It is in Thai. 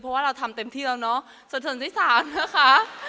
เพราะว่าเราทำเต็มที่แล้วเนอะส่วนที่สามนะคะ